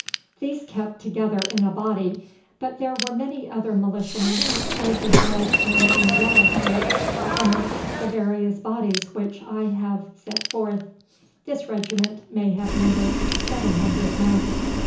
These kept together in a body, but there were many other militiamen, both in red and in yellow coats, amongst the various bodies which I have set forth. This regiment may have numbered seven hundred men.